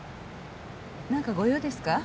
なんかご用ですか？